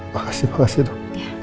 makasih makasih dok